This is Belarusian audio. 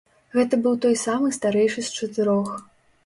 Гэта быў той самы старэйшы з чатырох.